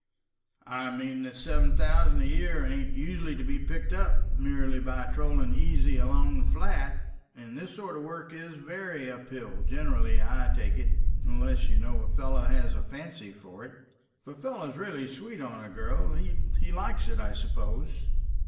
"I mean that seven thousand a year ain't usually to be picked up merely by trotting easy along the flat. And this sort of work is very up hill generally, I take it; unless, you know, a fellow has a fancy for it. If a fellow is really sweet on a girl, he likes it, I suppose."